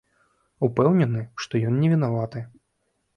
Упэўнены, што ён невінаваты.